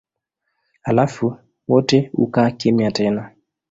Halafu wote hukaa kimya tena.